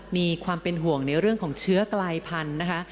มีความเป็นห่วงในเรื่องของเชื้อกลายพันธุ์นะคะ